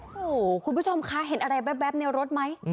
โอ้โหคุณผู้ชมคะเห็นอะไรแว๊บในรถไหม